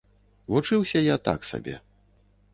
Вучыўся я так сабе.